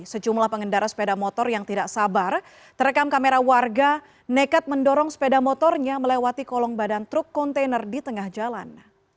sejumlah pengendara sepeda motor yang tidak sabar terekam kamera warga nekat mendorong sepeda motornya melewati kolong badan truk kontainer di tengah jalan